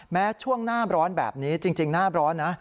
แม้ช่วงหน้าร้อนแบบนี้จริงหน้าร้อนนะ